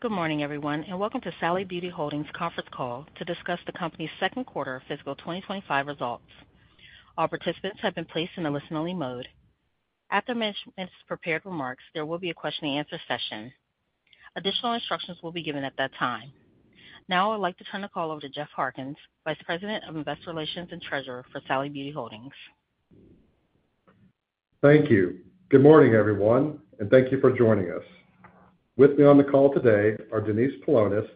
Good morning, everyone, and welcome to Sally Beauty Holdings' conference call to discuss the company's second quarter fiscal 2025 results. All participants have been placed in the listening mode. After the management has prepared remarks, there will be a question-and-answer session. Additional instructions will be given at that time. Now, I would like to turn the call over to Jeff Harkins, Vice President of Investor Relations and Treasurer for Sally Beauty Holdings. Thank you. Good morning, everyone, and thank you for joining us. With me on the call today are Denise Paulonis,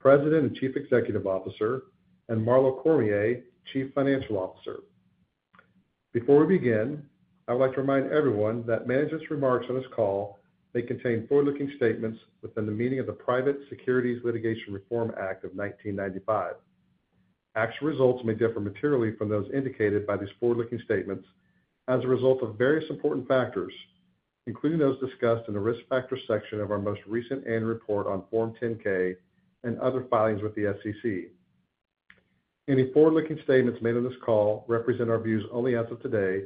President and Chief Executive Officer, and Marlo Cormier, Chief Financial Officer. Before we begin, I would like to remind everyone that management's remarks on this call may contain forward-looking statements within the meaning of the Private Securities Litigation Reform Act of 1995. Actual results may differ materially from those indicated by these forward-looking statements as a result of various important factors, including those discussed in the risk factor section of our most recent annual report on Form 10-K and other filings with the SEC. Any forward-looking statements made on this call represent our views only as of today,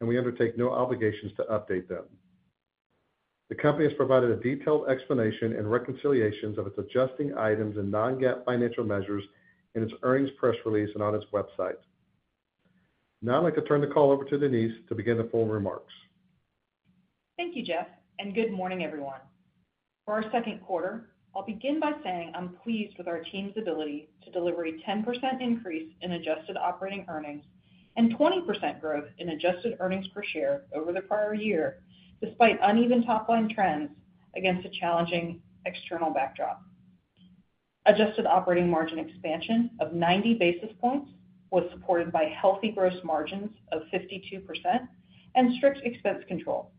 and we undertake no obligations to update them. The company has provided a detailed explanation and reconciliations of its adjusting items and non-GAAP financial measures in its earnings press release and on its website. Now, I'd like to turn the call over to Denise to begin the formal remarks. Thank you, Jeff, and good morning, everyone. For our second quarter, I'll begin by saying I'm pleased with our team's ability to deliver a 10% increase in adjusted operating earnings and 20% growth in adjusted earnings per share over the prior year, despite uneven top-line trends against a challenging external backdrop. Adjusted operating margin expansion of 90 basis points was supported by healthy gross margins of 52% and strict expense control.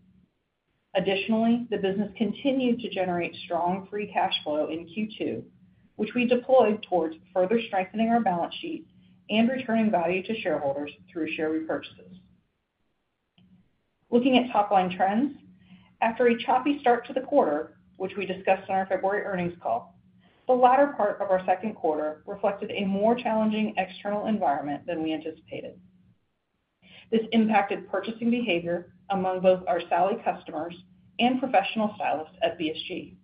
Additionally, the business continued to generate strong free cash flow in Q2, which we deployed towards further strengthening our balance sheet and returning value to shareholders through share repurchases. Looking at top-line trends, after a choppy start to the quarter, which we discussed on our February earnings call, the latter part of our second quarter reflected a more challenging external environment than we anticipated. This impacted purchasing behavior among both our Sally customers and professional stylists at BSG.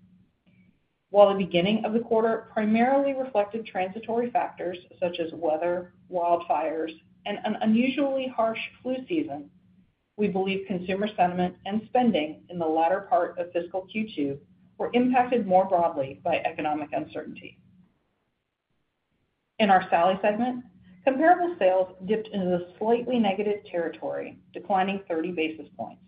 While the beginning of the quarter primarily reflected transitory factors such as weather, wildfires, and an unusually harsh flu season, we believe consumer sentiment and spending in the latter part of fiscal Q2 were impacted more broadly by economic uncertainty. In our Sally segment, comparable sales dipped into the slightly negative territory, declining 30 basis points.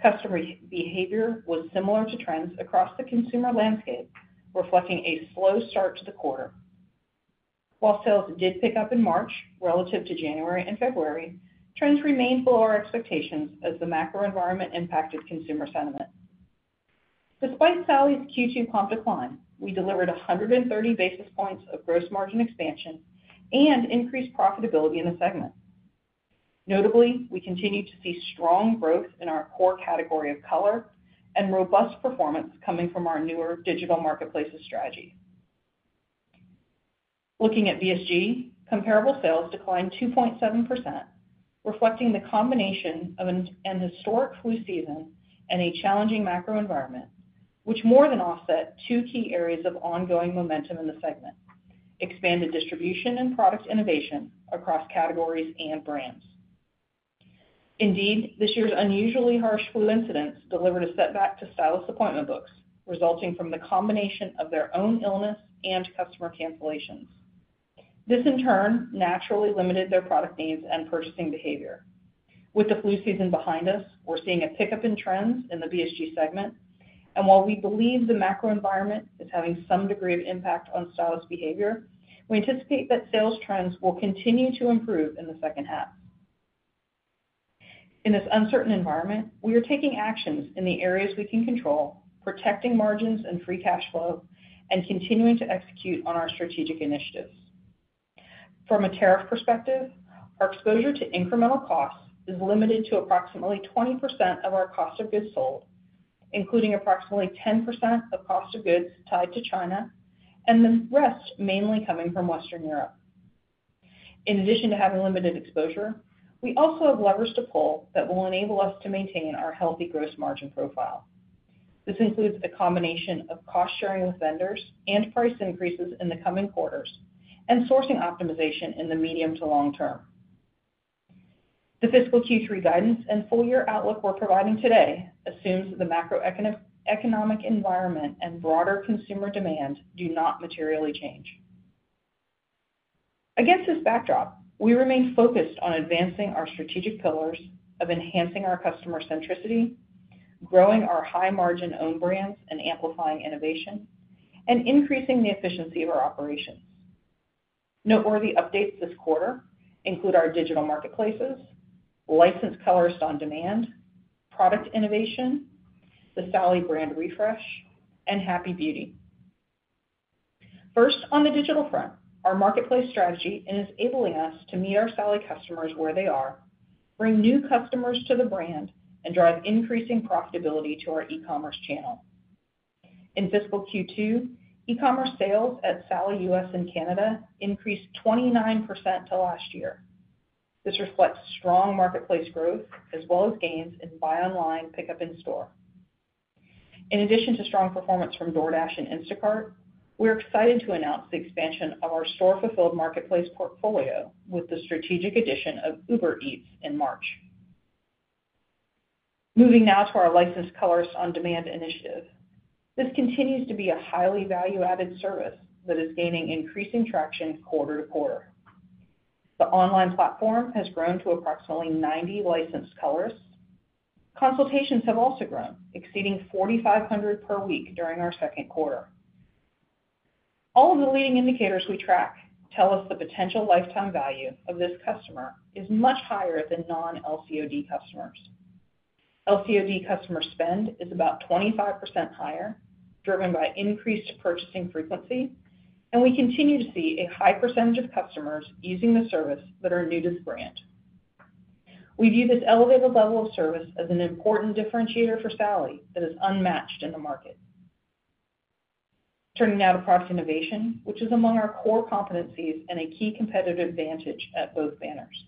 Customer behavior was similar to trends across the consumer landscape, reflecting a slow start to the quarter. While sales did pick up in March relative to January and February, trends remained below our expectations as the macro environment impacted consumer sentiment. Despite Sally's Q2 pump decline, we delivered 130 basis points of gross margin expansion and increased profitability in the segment. Notably, we continue to see strong growth in our core category of color and robust performance coming from our newer digital marketplaces strategy. Looking at BSG, comparable sales declined 2.7%, reflecting the combination of a historic flu season and a challenging macro environment, which more than offset two key areas of ongoing momentum in the segment: expanded distribution and product innovation across categories and brands. Indeed, this year's unusually harsh flu incidents delivered a setback to stylist appointment books, resulting from the combination of their own illness and customer cancellations. This, in turn, naturally limited their product needs and purchasing behavior. With the flu season behind us, we're seeing a pickup in trends in the BSG segment, and while we believe the macro environment is having some degree of impact on stylist behavior, we anticipate that sales trends will continue to improve in the second half. In this uncertain environment, we are taking actions in the areas we can control, protecting margins and free cash flow, and continuing to execute on our strategic initiatives. From a tariff perspective, our exposure to incremental costs is limited to approximately 20% of our cost of goods sold, including approximately 10% of cost of goods tied to China, and the rest mainly coming from Western Europe. In addition to having limited exposure, we also have levers to pull that will enable us to maintain our healthy gross margin profile. This includes a combination of cost sharing with vendors and price increases in the coming quarters, and sourcing optimization in the medium to long term. The fiscal Q3 guidance and full-year outlook we're providing today assumes that the macroeconomic environment and broader consumer demand do not materially change. Against this backdrop, we remain focused on advancing our strategic pillars of enhancing our customer centricity, growing our high-margin owned brands and amplifying innovation, and increasing the efficiency of our operations. Noteworthy updates this quarter include our digital marketplaces, Licensed Colorist OnDemand, product innovation, the Sally brand refresh, and Happy Beauty. First, on the digital front, our marketplace strategy is enabling us to meet our Sally customers where they are, bring new customers to the brand, and drive increasing profitability to our e-commerce channel. In fiscal Q2, e-commerce sales at Sally U.S. and Canada increased 29% to last year. This reflects strong marketplace growth as well as gains in buy online, pick up in store. In addition to strong performance from DoorDash and Instacart, we're excited to announce the expansion of our store-fulfilled marketplace portfolio with the strategic addition of Uber Eats in March. Moving now to our Licensed Colorist OnDemand initiative. This continues to be a highly value-added service that is gaining increasing traction quarter to quarter. The online platform has grown to approximately 90 Licensed Colors. Consultations have also grown, exceeding 4,500 per week during our second quarter. All of the leading indicators we track tell us the potential lifetime value of this customer is much higher than non-LCOD customers. LCOD customer spend is about 25% higher, driven by increased purchasing frequency, and we continue to see a high percentage of customers using the service that are new to the brand. We view this elevated level of service as an important differentiator for Sally that is unmatched in the market. Turning now to product innovation, which is among our core competencies and a key competitive advantage at both banners.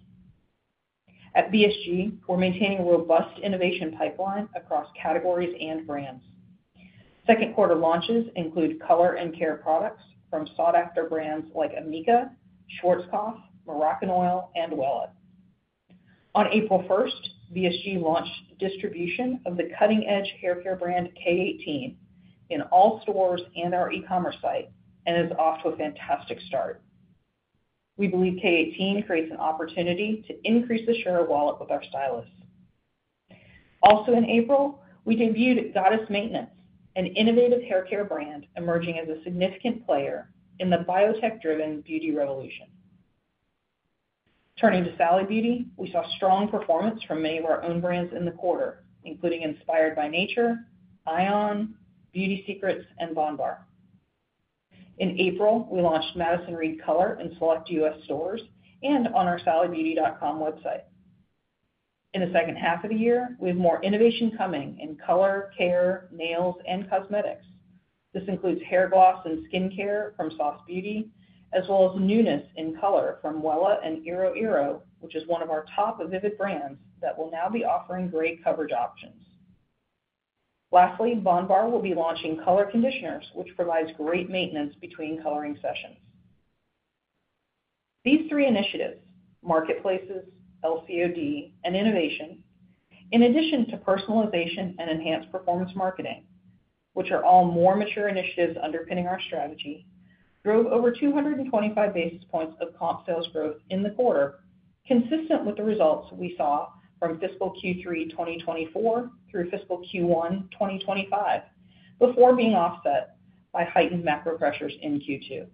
At BSG, we're maintaining a robust innovation pipeline across categories and brands. Second quarter launches include color and care products from sought-after brands like amika, Schwarzkopf, Moroccanoil, and Wella. On April 1st, BSG launched distribution of the cutting-edge haircare brand K18 in all stores and our e-commerce site and is off to a fantastic start. We believe K18 creates an opportunity to increase the share of wallet with our stylists. Also, in April, we debuted Goddess Maintenance, an innovative haircare brand emerging as a significant player in the biotech-driven beauty revolution. Turning to Sally Beauty, we saw strong performance from many of our own brands in the quarter, including Inspired By Nature, ion, Beauty Secrets, and bondbar. In April, we launched Madison Reed Color in select U.S. stores and on our sallybeauty.com website. In the second half of the year, we have more innovation coming in color, care, nails, and cosmetics. This includes hair gloss and skincare from SOS Beauty, as well as newness in color from Wella and iroiro, which is one of our top vivid brands that will now be offering gray coverage options. Lastly, bondbar will be launching color conditioners, which provides great maintenance between coloring sessions. These three initiatives, marketplaces, LCOD, and innovation, in addition to personalization and enhanced performance marketing, which are all more mature initiatives underpinning our strategy, drove over 225 basis points of comp sales growth in the quarter, consistent with the results we saw from fiscal Q3 2024 through fiscal Q1 2025, before being offset by heightened macro pressures in Q2.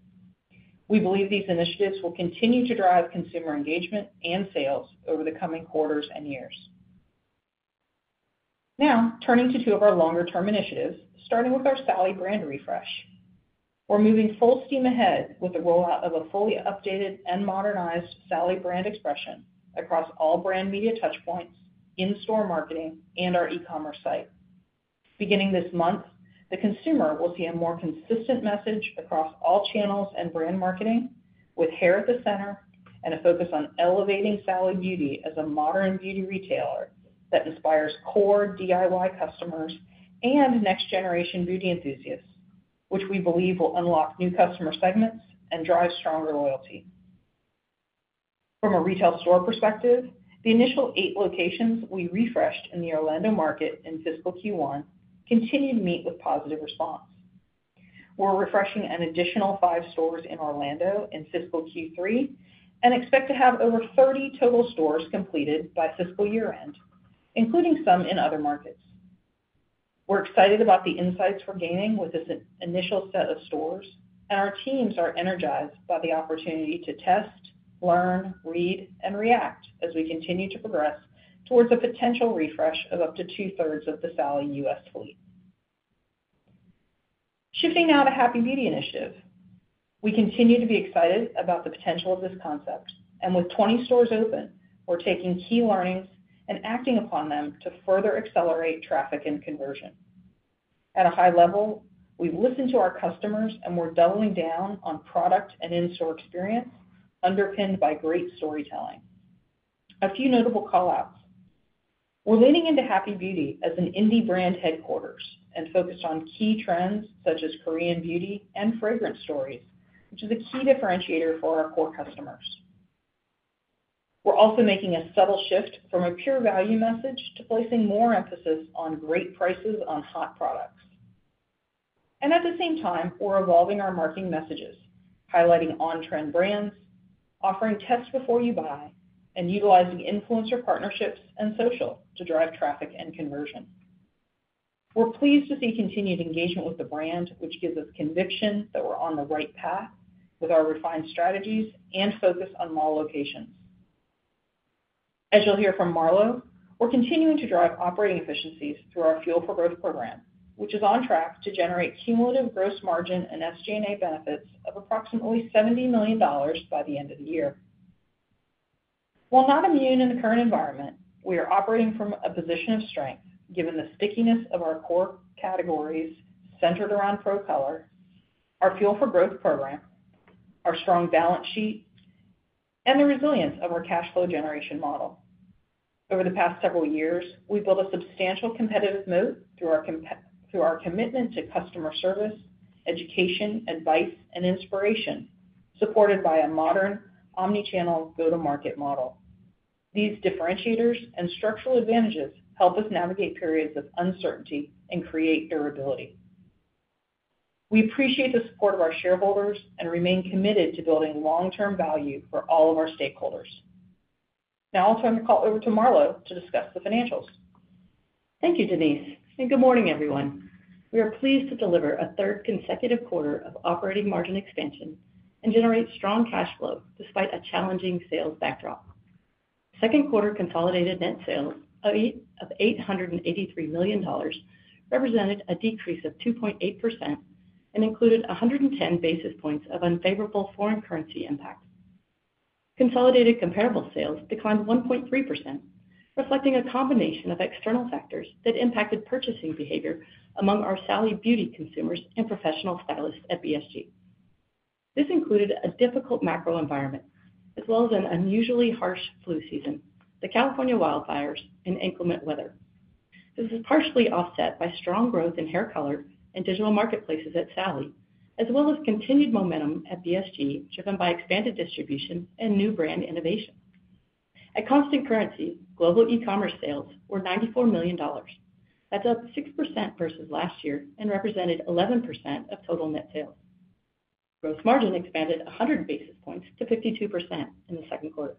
We believe these initiatives will continue to drive consumer engagement and sales over the coming quarters and years. Now, turning to two of our longer-term initiatives, starting with our Sally brand refresh. We're moving full steam ahead with the rollout of a fully updated and modernized Sally brand expression across all brand media touchpoints, in-store marketing, and our e-commerce site. Beginning this month, the consumer will see a more consistent message across all channels and brand marketing, with hair at the center and a focus on elevating Sally Beauty as a modern beauty retailer that inspires core DIY customers and next-generation beauty enthusiasts, which we believe will unlock new customer segments and drive stronger loyalty. From a retail store perspective, the initial eight locations we refreshed in the Orlando market in fiscal Q1 continue to meet with positive response. We're refreshing an additional five stores in Orlando in fiscal Q3 and expect to have over 30 total stores completed by fiscal year-end, including some in other markets. We're excited about the insights we're gaining with this initial set of stores, and our teams are energized by the opportunity to test, learn, read, and react as we continue to progress towards a potential refresh of up to two-thirds of the Sally U.S. fleet. Shifting now to Happy Beauty initiative. We continue to be excited about the potential of this concept, and with 20 stores open, we're taking key learnings and acting upon them to further accelerate traffic and conversion. At a high level, we've listened to our customers, and we're doubling down on product and in-store experience underpinned by great storytelling. A few notable callouts. We're leaning into Happy Beauty as an indie brand headquarters and focused on key trends such as Korean beauty and fragrance stories, which is a key differentiator for our core customers. We're also making a subtle shift from a pure value message to placing more emphasis on great prices on hot products. At the same time, we're evolving our marketing messages, highlighting on-trend brands, offering tests before you buy, and utilizing influencer partnerships and social to drive traffic and conversion. We're pleased to see continued engagement with the brand, which gives us conviction that we're on the right path with our refined strategies and focus on mall locations. As you'll hear from Marlo, we're continuing to drive operating efficiencies through our Fuel for Growth Program, which is on track to generate cumulative gross margin and SG&A benefits of approximately $70 million by the end of the year. While not immune in the current environment, we are operating from a position of strength given the stickiness of our core categories centered around pro color, our Fuel for Growth program, our strong balance sheet, and the resilience of our cash flow generation model. Over the past several years, we have built a substantial competitive moat through our commitment to customer service, education, advice, and inspiration, supported by a modern omnichannel go-to-market model. These differentiators and structural advantages help us navigate periods of uncertainty and create durability. We appreciate the support of our shareholders and remain committed to building long-term value for all of our stakeholders. Now I will turn the call over to Marlo to discuss the financials. Thank you, Denise. Good morning, everyone. We are pleased to deliver a third consecutive quarter of operating margin expansion and generate strong cash flow despite a challenging sales backdrop. Second quarter consolidated net sales of $883 million represented a decrease of 2.8% and included 110 basis points of unfavorable foreign currency impact. Consolidated comparable sales declined 1.3%, reflecting a combination of external factors that impacted purchasing behavior among our Sally Beauty consumers and professional stylists at BSG. This included a difficult macro environment, as well as an unusually harsh flu season, the California wildfires, and inclement weather. This is partially offset by strong growth in hair color and digital marketplaces at Sally, as well as continued momentum at BSG driven by expanded distribution and new brand innovation. At constant currency, global e-commerce sales were $94 million. That's up 6% versus last year and represented 11% of total net sales. Gross margin expanded 100 basis points to 52% in the second quarter.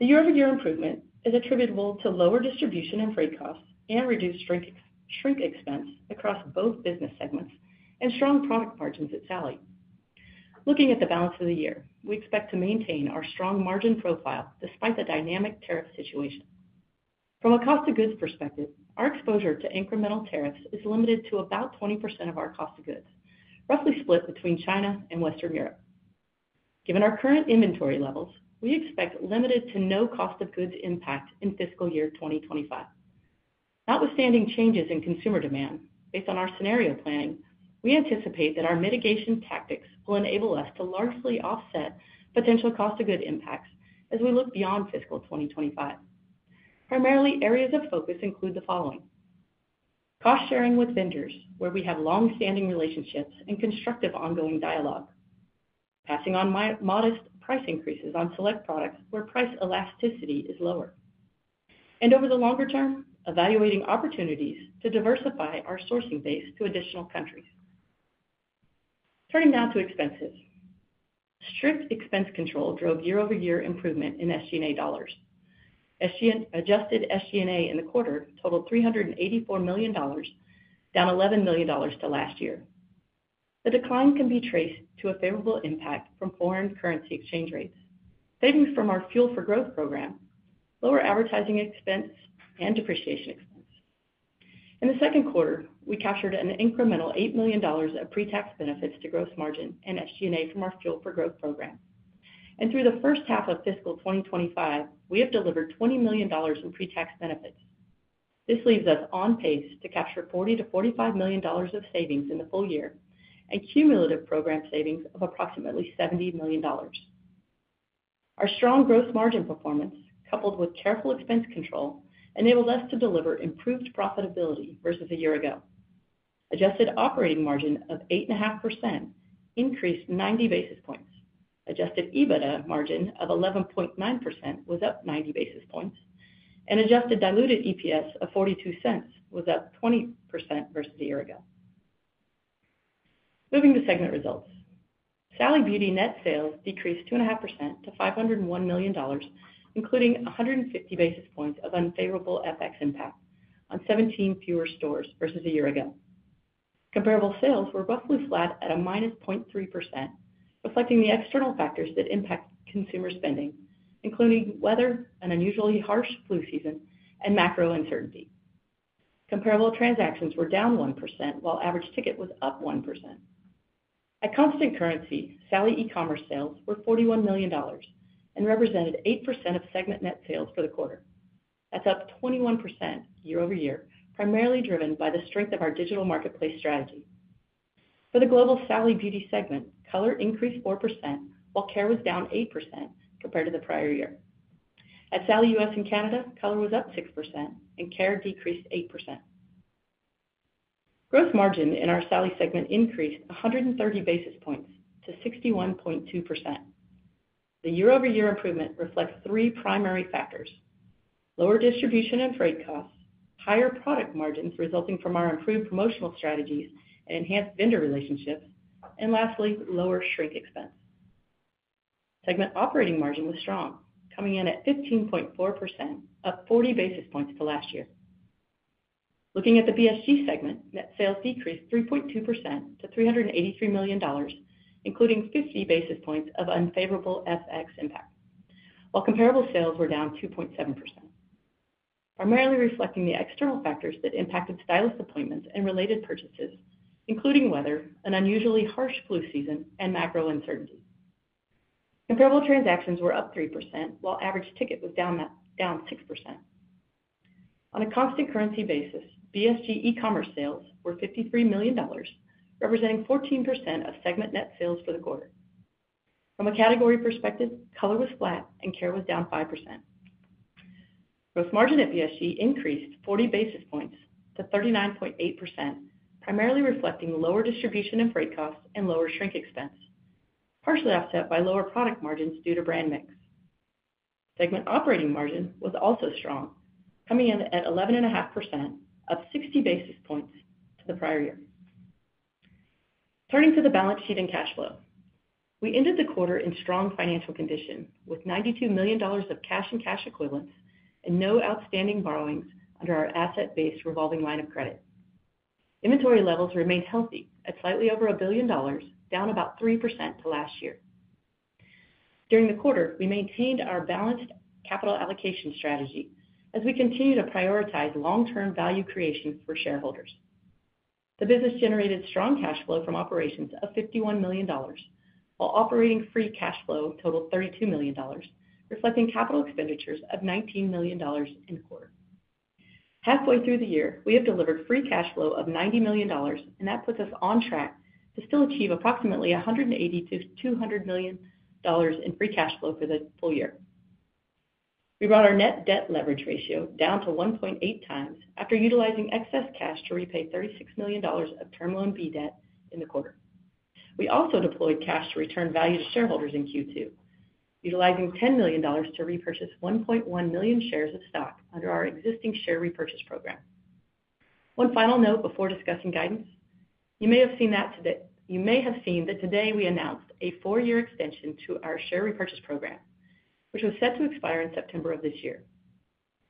The year-over-year improvement is attributable to lower distribution and freight costs and reduced shrink expense across both business segments and strong product margins at Sally. Looking at the balance of the year, we expect to maintain our strong margin profile despite the dynamic tariff situation. From a cost of goods perspective, our exposure to incremental tariffs is limited to about 20% of our cost of goods, roughly split between China and Western Europe. Given our current inventory levels, we expect limited to no cost of goods impact in fiscal year 2025. Notwithstanding changes in consumer demand, based on our scenario planning, we anticipate that our mitigation tactics will enable us to largely offset potential cost of goods impacts as we look beyond fiscal 2025. Primarily areas of focus include the following: cost sharing with vendors, where we have long-standing relationships and constructive ongoing dialogue; passing on modest price increases on select products where price elasticity is lower; and over the longer term, evaluating opportunities to diversify our sourcing base to additional countries. Turning now to expenses. Strict expense control drove year-over-year improvement in SG&A dollars. Adjusted SG&A in the quarter totaled $384 million, down $11 million to last year. The decline can be traced to a favorable impact from foreign currency exchange rates, savings from our Fuel for Growth Program, lower advertising expense, and depreciation expense. In the second quarter, we captured an incremental $8 million of pre-tax benefits to gross margin and SG&A from our Fuel for Growth Program. Through the first half of fiscal 2025, we have delivered $20 million in pre-tax benefits. This leaves us on pace to capture $40 million-$45 million of savings in the full year and cumulative program savings of approximately $70 million. Our strong gross margin performance, coupled with careful expense control, enabled us to deliver improved profitability versus a year ago. Adjusted operating margin of 8.5% increased 90 basis points. Adjusted EBITDA margin of 11.9% was up 90 basis points, and adjusted diluted EPS of $0.42 was up 20% versus a year ago. Moving to segment results. Sally Beauty net sales decreased 2.5% to $501 million, including 150 basis points of unfavorable FX impact on 17 fewer stores versus a year ago. Comparable sales were roughly flat at a -0.3%, reflecting the external factors that impact consumer spending, including weather, an unusually harsh flu season, and macro uncertainty. Comparable transactions were down 1%, while average ticket was up 1%. At constant currency, Sally e-commerce sales were $41 million and represented 8% of segment net sales for the quarter. That's up 21% year-over-year, primarily driven by the strength of our digital marketplace strategy. For the global Sally Beauty segment, color increased 4%, while care was down 8% compared to the prior year. At Sally U.S. and Canada, color was up 6%, and care decreased 8%. Gross margin in our Sally segment increased 130 basis points to 61.2%. The year-over-year improvement reflects three primary factors: lower distribution and freight costs, higher product margins resulting from our improved promotional strategies and enhanced vendor relationships, and lastly, lower shrink expense. Segment operating margin was strong, coming in at 15.4%, up 40 basis points to last year. Looking at the BSG segment, net sales decreased 3.2% to $383 million, including 50 basis points of unfavorable FX impact, while comparable sales were down 2.7%, primarily reflecting the external factors that impacted stylist appointments and related purchases, including weather, an unusually harsh flu season, and macro uncertainty. Comparable transactions were up 3%, while average ticket was down 6%. On a constant currency basis, BSG e-commerce sales were $53 million, representing 14% of segment net sales for the quarter. From a category perspective, color was flat, and care was down 5%. Gross margin at BSG increased 40 basis points to 39.8%, primarily reflecting lower distribution and freight costs and lower shrink expense, partially offset by lower product margins due to brand mix. Segment operating margin was also strong, coming in at 11.5%, up 60 basis points to the prior year. Turning to the balance sheet and cash flow. We ended the quarter in strong financial condition with $92 million of cash and cash equivalents and no outstanding borrowings under our asset-based revolving line of credit. Inventory levels remained healthy at slightly over $1 billion, down about 3% to last year. During the quarter, we maintained our balanced capital allocation strategy as we continue to prioritize long-term value creation for shareholders. The business generated strong cash flow from operations of $51 million, while operating free cash flow totaled $32 million, reflecting capital expenditures of $19 million in the quarter. Halfway through the year, we have delivered free cash flow of $90 million, and that puts us on track to still achieve approximately $180-$200 million in free cash flow for the full year. We brought our net debt leverage ratio down to 1.8x after utilizing excess cash to repay $36 million of term loan B debt in the quarter. We also deployed cash to return value to shareholders in Q2, utilizing $10 million to repurchase 1.1 million shares of stock under our existing share repurchase program. One final note before discussing guidance. You may have seen that today we announced a four-year extension to our share repurchase program, which was set to expire in September of this year.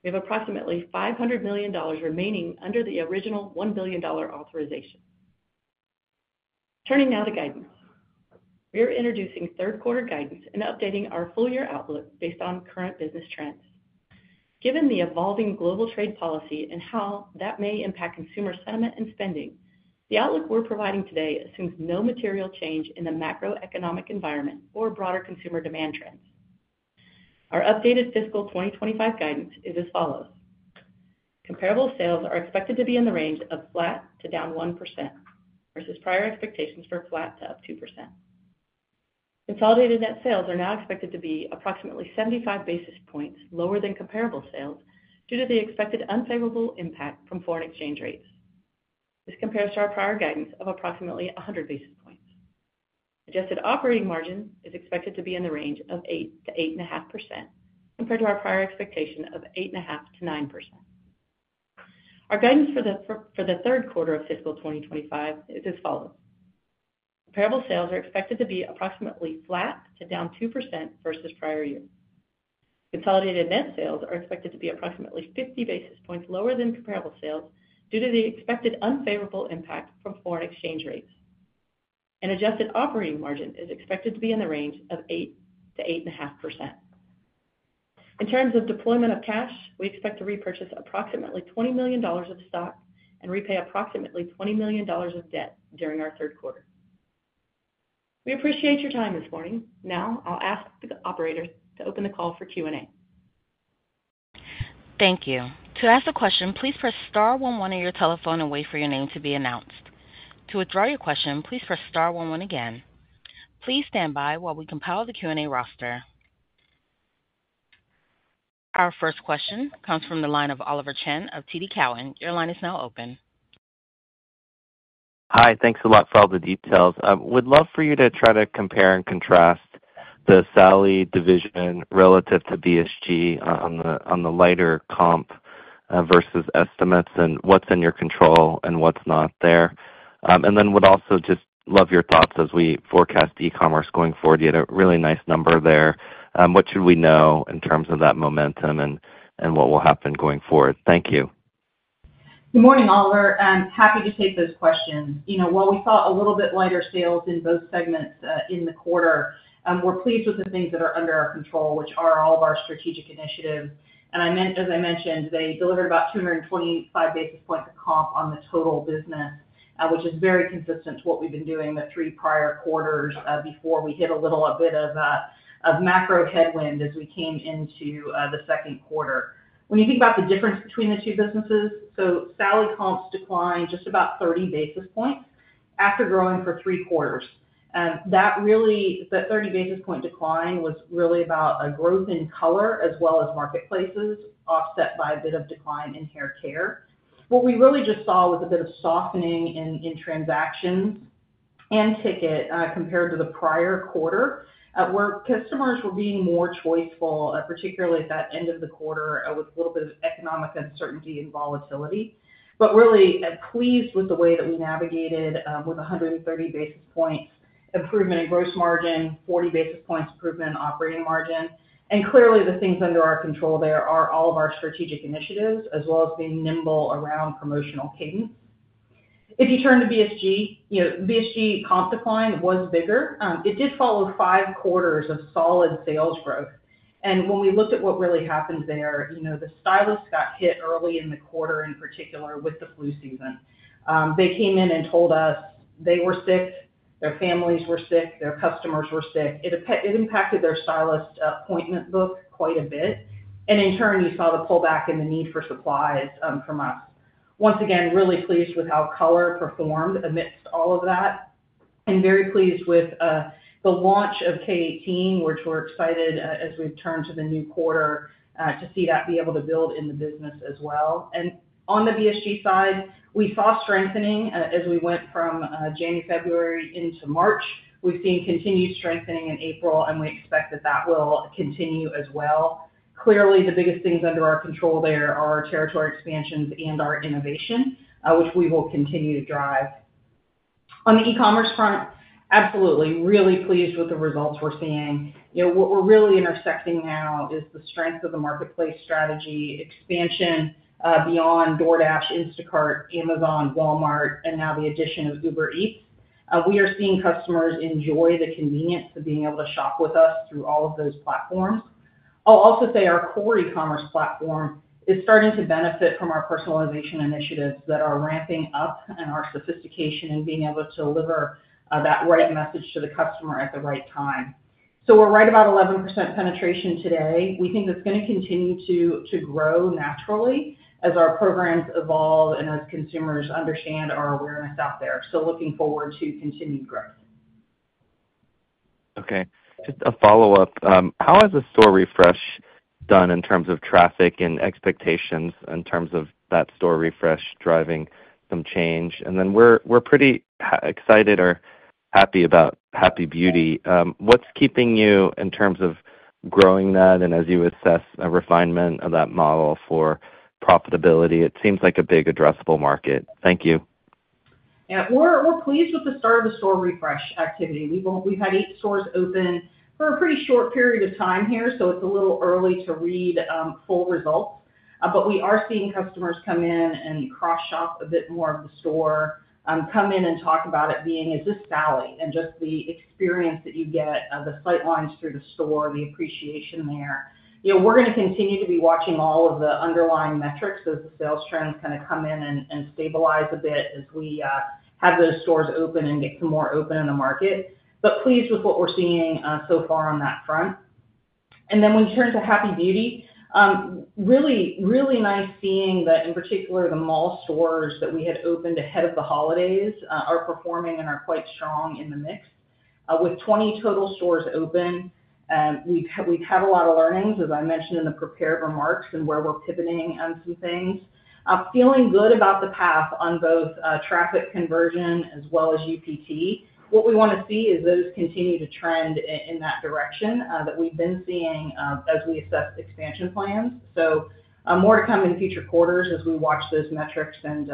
We have approximately $500 million remaining under the original $1 billion authorization. Turning now to guidance. We are introducing third quarter guidance and updating our full year outlook based on current business trends. Given the evolving global trade policy and how that may impact consumer sentiment and spending, the outlook we're providing today assumes no material change in the macroeconomic environment or broader consumer demand trends. Our updated fiscal 2025 guidance is as follows. Comparable sales are expected to be in the range of flat to down 1% versus prior expectations for flat to up 2%. Consolidated net sales are now expected to be approximately 75 basis points lower than comparable sales due to the expected unfavorable impact from foreign exchange rates. This compares to our prior guidance of approximately 100 basis points. Adjusted operating margin is expected to be in the range of 8%-8.5% compared to our prior expectation of 8.5%-9%. Our guidance for the third quarter of fiscal 2025 is as follows. Comparable sales are expected to be approximately flat to down 2% versus prior year. Consolidated net sales are expected to be approximately 50 basis points lower than comparable sales due to the expected unfavorable impact from foreign exchange rates. An adjusted operating margin is expected to be in the range of 8%-8.5%. In terms of deployment of cash, we expect to repurchase approximately $20 million of stock and repay approximately $20 million of debt during our third quarter. We appreciate your time this morning. Now I'll ask the operators to open the call for Q&A. Thank you. To ask a question, please press star 11 on your telephone and wait for your name to be announced. To withdraw your question, please press star 11 again. Please stand by while we compile the Q&A roster. Our first question comes from the line of Oliver Chen of TD Cowen. Your line is now open. Hi, thanks a lot for all the details. I would love for you to try to compare and contrast the Sally division relative to BSG on the lighter comp versus estimates and what's in your control and what's not there. I would also just love your thoughts as we forecast e-commerce going forward. You had a really nice number there. What should we know in terms of that momentum and what will happen going forward? Thank you. Good morning, Oliver. I'm happy to take those questions. You know, while we saw a little bit lighter sales in both segments in the quarter, we're pleased with the things that are under our control, which are all of our strategic initiatives. As I mentioned, they delivered about 225 basis points of comp on the total business, which is very consistent to what we've been doing the three prior quarters before we hit a little bit of macro headwind as we came into the second quarter. When you think about the difference between the two businesses, Sally comps declined just about 30 basis points after growing for three quarters. That 30 basis point decline was really about a growth in color as well as marketplaces offset by a bit of decline in hair care. What we really just saw was a bit of softening in transactions and ticket compared to the prior quarter where customers were being more choiceful, particularly at that end of the quarter with a little bit of economic uncertainty and volatility. Really pleased with the way that we navigated with 130 basis points improvement in gross margin, 40 basis points improvement in operating margin. Clearly the things under our control there are all of our strategic initiatives as well as being nimble around promotional cadence. If you turn to BSG, you know, BSG comp decline was bigger. It did follow five quarters of solid sales growth. When we looked at what really happened there, you know, the stylists got hit early in the quarter in particular with the flu season. They came in and told us they were sick, their families were sick, their customers were sick. It impacted their stylist appointment book quite a bit. In turn, you saw the pullback in the need for supplies from us. Once again, really pleased with how color performed amidst all of that and very pleased with the launch of K18, which we're excited as we've turned to the new quarter to see that be able to build in the business as well. On the BSG side, we saw strengthening as we went from January, February, into March. We've seen continued strengthening in April, and we expect that that will continue as well. Clearly, the biggest things under our control there are territory expansions and our innovation, which we will continue to drive. On the e-commerce front, absolutely really pleased with the results we're seeing. You know, what we're really intersecting now is the strength of the marketplace strategy expansion beyond DoorDash, Instacart, Amazon, Walmart, and now the addition of Uber Eats. We are seeing customers enjoy the convenience of being able to shop with us through all of those platforms. I'll also say our core e-commerce platform is starting to benefit from our personalization initiatives that are ramping up and our sophistication in being able to deliver that right message to the customer at the right time. We are right about 11% penetration today. We think that's going to continue to grow naturally as our programs evolve and as consumers understand our awareness out there. Looking forward to continued growth. Okay. Just a follow-up. How has the store refresh done in terms of traffic and expectations in terms of that store refresh driving some change? We are pretty excited or happy about Happy Beauty. What's keeping you in terms of growing that and as you assess a refinement of that model for profitability? It seems like a big addressable market. Thank you. Yeah, we're pleased with the start of the store refresh activity. We've had eight stores open for a pretty short period of time here, so it's a little early to read full results. We are seeing customers come in and cross-shop a bit more of the store, come in and talk about it being, "Is this Sally?" and just the experience that you get, the sight lines through the store, the appreciation there. You know, we're going to continue to be watching all of the underlying metrics as the sales trends kind of come in and stabilize a bit as we have those stores open and get some more open in the market. Pleased with what we're seeing so far on that front. When you turn to Happy Beauty, really, really nice seeing that in particular the mall stores that we had opened ahead of the holidays are performing and are quite strong in the mix. With 20 total stores open, we've had a lot of learnings, as I mentioned in the prepared remarks and where we're pivoting on some things. Feeling good about the path on both traffic conversion as well as UPT. What we want to see is those continue to trend in that direction that we've been seeing as we assess expansion plans. More to come in future quarters as we watch those metrics and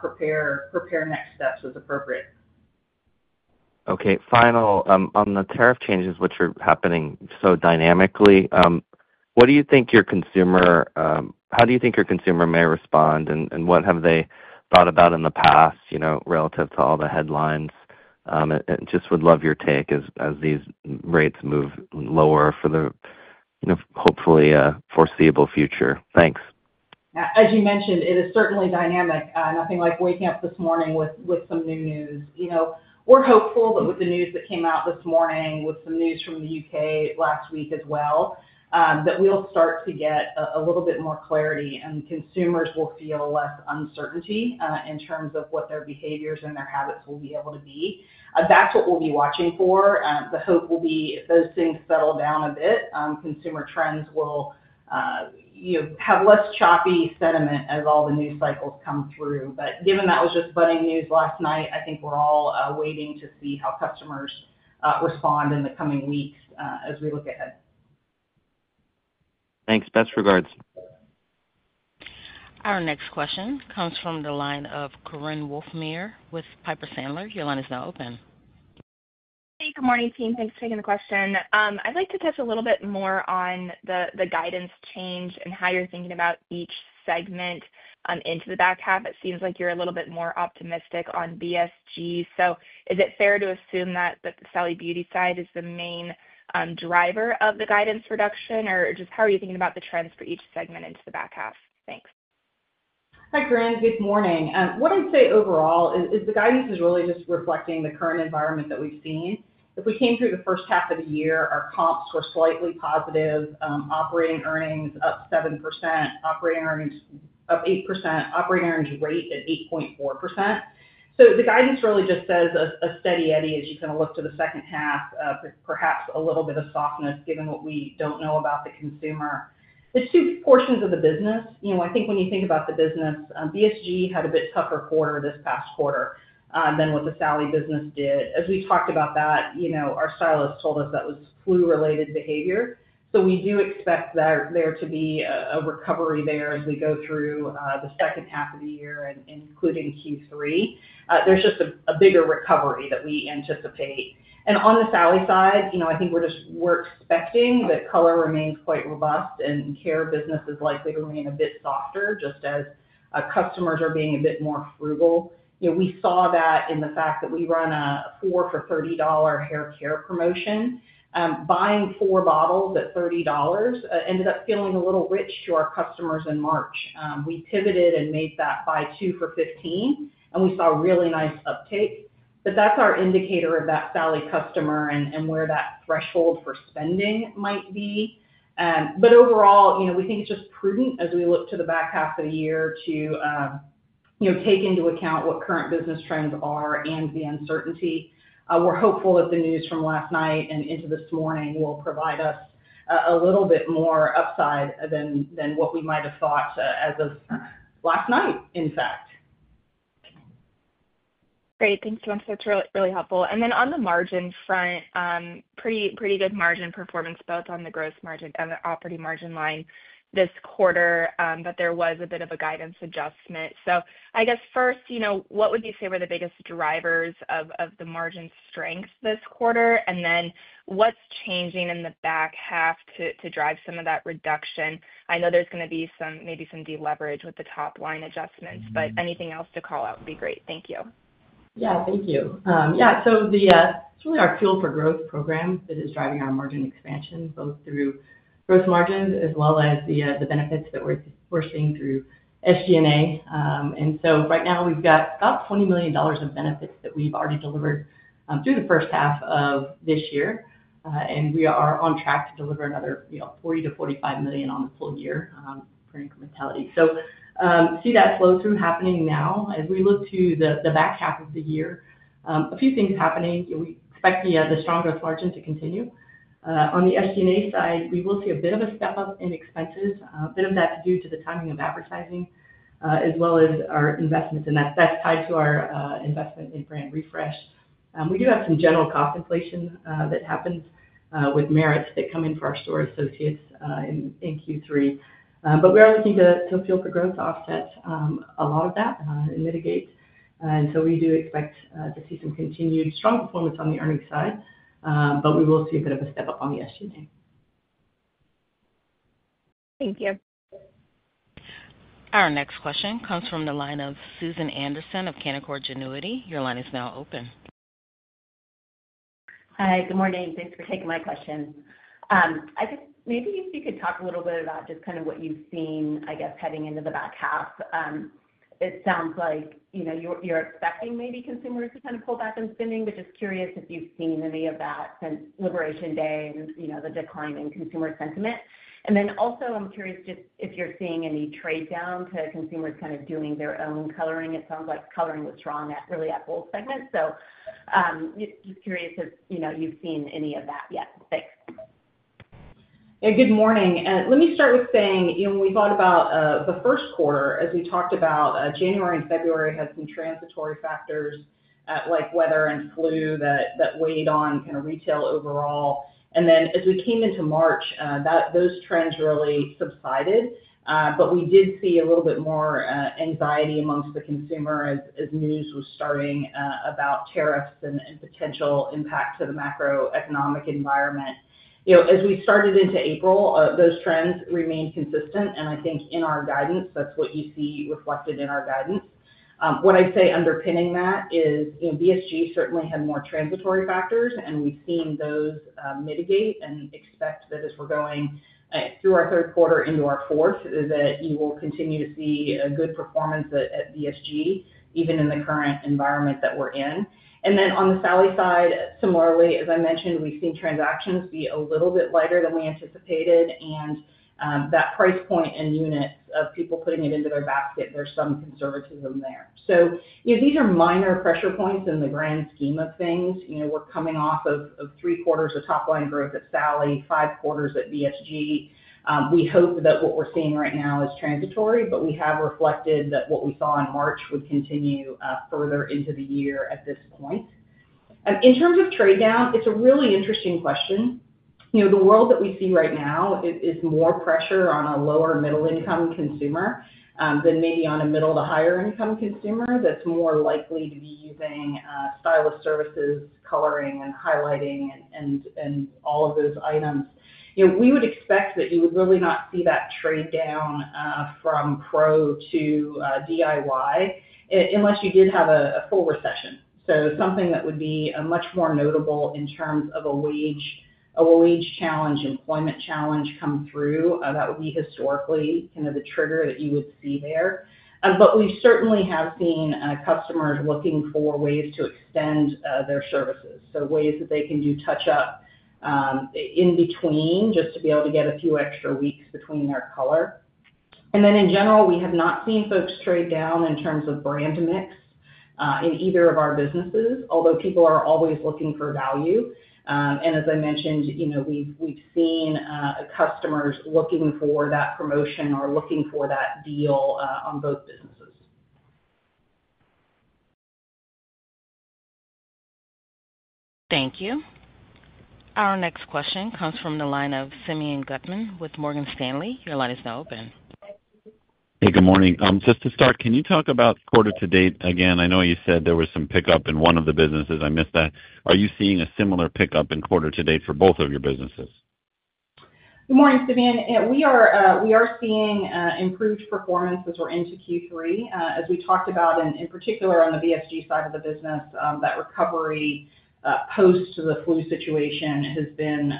prepare next steps as appropriate. Okay. Final, on the tariff changes, which are happening so dynamically, what do you think your consumer, how do you think your consumer may respond and what have they thought about in the past, you know, relative to all the headlines? I just would love your take as these rates move lower for the, you know, hopefully foreseeable future. Thanks. As you mentioned, it is certainly dynamic. Nothing like waking up this morning with some new news. You know, we're hopeful that with the news that came out this morning, with some news from the U.K. last week as well, that we'll start to get a little bit more clarity and consumers will feel less uncertainty in terms of what their behaviors and their habits will be able to be. That's what we'll be watching for. The hope will be if those things settle down a bit, consumer trends will, you know, have less choppy sentiment as all the news cycles come through. Given that was just budding news last night, I think we're all waiting to see how customers respond in the coming weeks as we look ahead. Thanks. Best regards. Our next question comes from the line of Korinne Wolfmeyer with Piper Sandler. Your line is now open. Hey, good morning, team. Thanks for taking the question. I'd like to touch a little bit more on the guidance change and how you're thinking about each segment into the back half. It seems like you're a little bit more optimistic on BSG. Is it fair to assume that the Sally Beauty side is the main driver of the guidance reduction or just how are you thinking about the trends for each segment into the back half? Thanks. Hi, Korinne. Good morning. What I'd say overall is the guidance is really just reflecting the current environment that we've seen. If we came through the first half of the year, our comps were slightly positive. Operating earnings up 7%, operating earnings up 8%, operating earnings rate at 8.4%. The guidance really just says a steady eddy as you kind of look to the second half, perhaps a little bit of softness given what we do not know about the consumer. The two portions of the business, you know, I think when you think about the business, BSG had a bit tougher quarter this past quarter than what the Sally business did. As we talked about that, you know, our stylist told us that was flu-related behavior. We do expect there to be a recovery there as we go through the second half of the year and including Q3. There is just a bigger recovery that we anticipate. On the Sally side, you know, I think we are just, we are expecting that color remains quite robust and care business is likely to remain a bit softer just as customers are being a bit more frugal. You know, we saw that in the fact that we run a four for $30 hair care promotion. Buying four bottles at $30 ended up feeling a little rich to our customers in March. We pivoted and made that buy two for $15, and we saw really nice uptake. That is our indicator of that Sally customer and where that threshold for spending might be. Overall, you know, we think it's just prudent as we look to the back half of the year to, you know, take into account what current business trends are and the uncertainty. We're hopeful that the news from last night and into this morning will provide us a little bit more upside than what we might have thought as of last night, in fact. Great. Thanks, Jon. That's really, really helpful. Then on the margin front, pretty good margin performance both on the gross margin and the operating margin line this quarter, but there was a bit of a guidance adjustment. I guess first, you know, what would you say were the biggest drivers of the margin strength this quarter? Then what's changing in the back half to drive some of that reduction? I know there's going to be some, maybe some deleverage with the top line adjustments, but anything else to call out would be great. Thank you. Yeah, thank you. Yeah. It's really our Fuel for Growth Program that is driving our margin expansion both through gross margins as well as the benefits that we're seeing through SG&A. Right now we've got about $20 million of benefits that we've already delivered through the first half of this year. We are on track to deliver another, you know, $40 million-$45 million on the full year per incrementality. See that flow through happening now as we look to the back half of the year. A few things happening. We expect the strong gross margin to continue. On the SG&A side, we will see a bit of a step up in expenses, a bit of that due to the timing of advertising as well as our investments. That is tied to our investment in brand refresh. We do have some general cost inflation that happens with merits that come in for our store associates in Q3. We are looking to Fuel for Growth to offset a lot of that and mitigate. We do expect to see some continued strong performance on the earnings side, but we will see a bit of a step up on the SG&A. Thank you. Our next question comes from the line of Susan Anderson of Canaccord Genuity. Your line is now open. Hi, good morning. Thanks for taking my question. I guess maybe if you could talk a little bit about just kind of what you've seen, I guess, heading into the back half. It sounds like, you know, you're expecting maybe consumers to kind of pull back on spending, but just curious if you've seen any of that since Liberation Day and, you know, the decline in consumer sentiment. Also, I'm curious just if you're seeing any trade down to consumers kind of doing their own coloring. It sounds like coloring was strong really at both segments. Just curious if, you know, you've seen any of that yet. Thanks. Yeah, good morning. Let me start with saying, you know, when we thought about the first quarter, as we talked about, January and February had some transitory factors like weather and flu that weighed on kind of retail overall. As we came into March, those trends really subsided. We did see a little bit more anxiety amongst the consumer as news was starting about tariffs and potential impact to the macroeconomic environment. You know, as we started into April, those trends remained consistent. I think in our guidance, that's what you see reflected in our guidance. What I'd say underpinning that is, you know, BSG certainly had more transitory factors, and we've seen those mitigate and expect that as we're going through our third quarter into our fourth, that you will continue to see a good performance at BSG, even in the current environment that we're in. On the Sally side, similarly, as I mentioned, we've seen transactions be a little bit lighter than we anticipated. That price point and units of people putting it into their basket, there's some conservatism there. You know, these are minor pressure points in the grand scheme of things. You know, we're coming off of three quarters of top line growth at Sally, five quarters at BSG. We hope that what we're seeing right now is transitory, but we have reflected that what we saw in March would continue further into the year at this point. In terms of trade down, it's a really interesting question. You know, the world that we see right now is more pressure on a lower middle income consumer than maybe on a middle to higher income consumer that's more likely to be using stylist services, coloring, and highlighting, and all of those items. You know, we would expect that you would really not see that trade down from pro to DIY unless you did have a full recession. Something that would be much more notable in terms of a wage challenge, employment challenge come through, that would be historically kind of the trigger that you would see there. We certainly have seen customers looking for ways to extend their services, ways that they can do touch-up in between just to be able to get a few extra weeks between their color. In general, we have not seen folks trade down in terms of brand mix in either of our businesses, although people are always looking for value. As I mentioned, you know, we've seen customers looking for that promotion or looking for that deal on both businesses. Thank you. Our next question comes from the line of Simeon Gutman with Morgan Stanley. Your line is now open. Hey, good morning. Just to start, can you talk about quarter to date again? I know you said there was some pickup in one of the businesses. I missed that. Are you seeing a similar pickup in quarter to date for both of your businesses? Good morning, Simeon. We are seeing improved performance as we're into Q3. As we talked about, and in particular on the BSG side of the business, that recovery post the flu situation has been,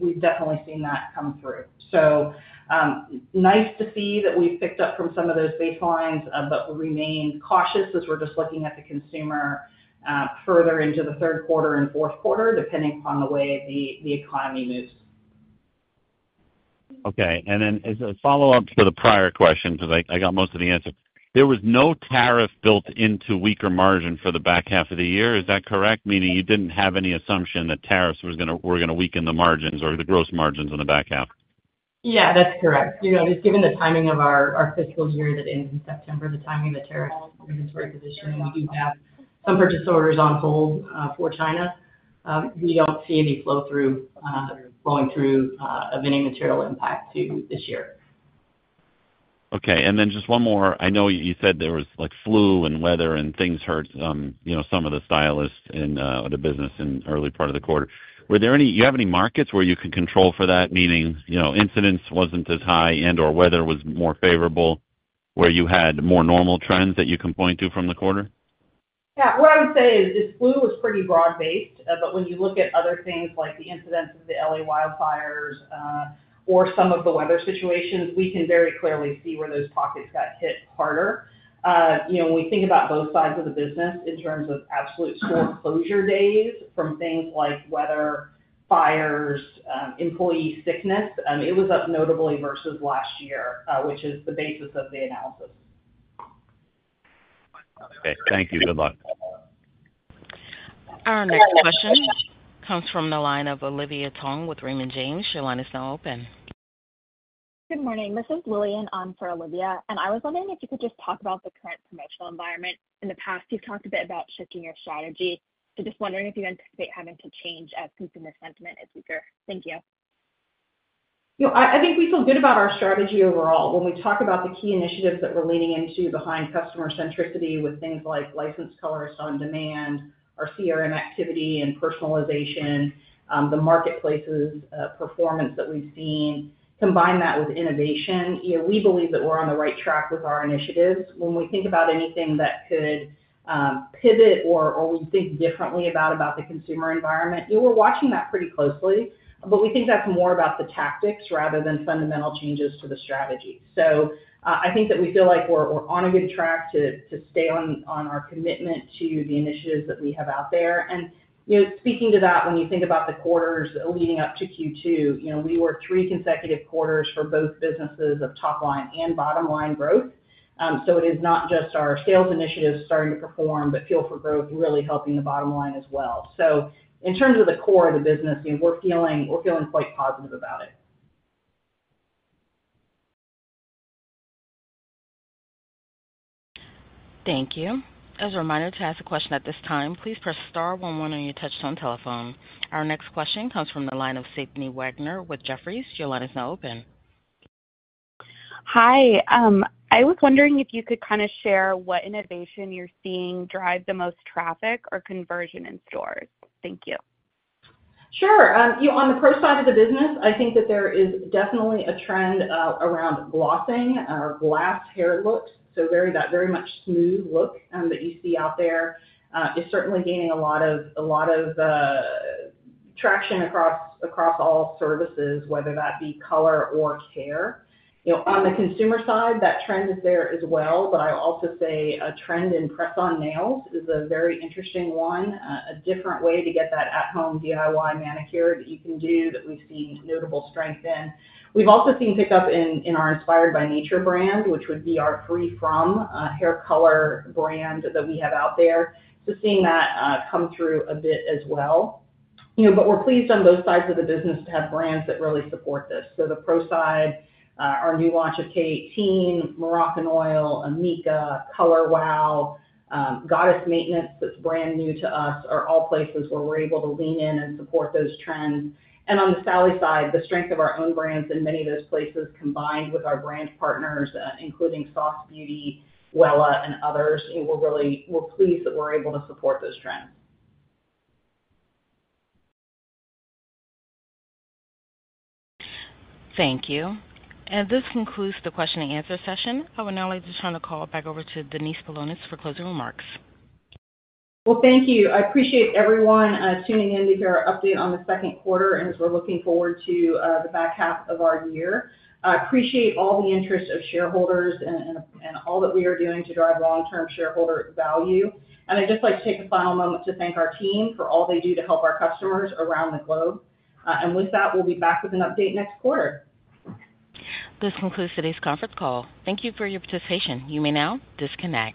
we've definitely seen that come through. Nice to see that we've picked up from some of those baselines, but we remain cautious as we're just looking at the consumer further into the third quarter and fourth quarter, depending upon the way the economy moves. Okay. As a follow-up to the prior question, because I got most of the answer, there was no tariff built into weaker margin for the back half of the year. Is that correct? Meaning you didn't have any assumption that tariffs were going to weaken the margins or the gross margins in the back half. Yeah, that's correct. You know, just given the timing of our fiscal year that ends in September, the timing of the tariff inventory position, and we do have some purchase orders on hold for China. We don't see any flow through going through of any material impact to this year. Okay. And then just one more. I know you said there was like flu and weather and things hurt, you know, some of the stylists in the business in early part of the quarter. Were there any, do you have any markets where you can control for that? Meaning, you know, incidence wasn't as high and/or weather was more favorable where you had more normal trends that you can point to from the quarter? Yeah. What I would say is this flu was pretty broad-based, but when you look at other things like the incidents of the LA wildfires or some of the weather situations, we can very clearly see where those pockets got hit harder. You know, when we think about both sides of the business in terms of absolute store closure days from things like weather, fires, employee sickness, it was up notably versus last year, which is the basis of the analysis. Okay. Thank you. Good luck. Our next question comes from the line of Olivia Tong with Raymond James. Your line is now open. Good morning. This is Lillian on for Olivia. And I was wondering if you could just talk about the current promotional environment. In the past, you've talked a bit about shifting your strategy. So just wondering if you anticipate having to change as consumer sentiment is weaker. Thank you. You know, I think we feel good about our strategy overall. When we talk about the key initiatives that we're leaning into behind customer centricity with things like Licensed Colorist OnDemand, our CRM activity and personalization, the marketplace's performance that we've seen, combine that with innovation. You know, we believe that we're on the right track with our initiatives. When we think about anything that could pivot or we think differently about the consumer environment, you know, we're watching that pretty closely. We think that's more about the tactics rather than fundamental changes to the strategy. I think that we feel like we're on a good track to stay on our commitment to the initiatives that we have out there. You know, speaking to that, when you think about the quarters leading up to Q2, you know, we were three consecutive quarters for both businesses of top line and bottom line growth. It is not just our sales initiatives starting to perform, but Fuel for Growth really helping the bottom line as well. In terms of the core of the business, you know, we're feeling quite positive about it. Thank you. As a reminder, to ask the question at this time, please press star one one on your touch-tone telephone. Our next question comes from the line of Sydney Wagner with Jefferies. Your line is now open. Hi. I was wondering if you could kind of share what innovation you're seeing drive the most traffic or conversion in stores. Thank you. Sure. You know, on the pro side of the business, I think that there is definitely a trend around glossing or glass hair looks. So very much smooth look that you see out there is certainly gaining a lot of traction across all services, whether that be color or care. You know, on the consumer side, that trend is there as well. But I also say a trend in press-on nails is a very interesting one, a different way to get that at-home DIY manicure that you can do that we've seen notable strength in. We've also seen pickup in our Inspired By Nature brand, which would be our free from hair color brand that we have out there. So seeing that come through a bit as well. You know, but we're pleased on both sides of the business to have brands that really support this. The pro side, our new launch of K18, Moroccanoil, amika, Color Wow, Goddess Maintenance that's brand new to us are all places where we're able to lean in and support those trends. On the Sally side, the strength of our own brands in many of those places combined with our brand partners, including SOS Beauty, Wella, and others, you know, we're really, we're pleased that we're able to support those trends. Thank you. This concludes the question and answer session. I would now like to turn the call back over to Denise Paulonis for closing remarks. Thank you. I appreciate everyone tuning in to hear our update on the second quarter and as we're looking forward to the back half of our year. I appreciate all the interest of shareholders and all that we are doing to drive long-term shareholder value. I would just like to take a final moment to thank our team for all they do to help our customers around the globe. With that, we will be back with an update next quarter. This concludes today's conference call. Thank you for your participation. You may now disconnect.